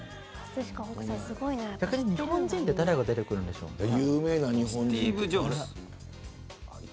逆に日本人って誰が出てくるんでしょうね。